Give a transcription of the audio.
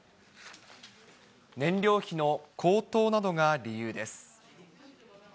燃料費の高騰などが理由です。